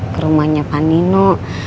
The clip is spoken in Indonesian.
ke rumahnya panino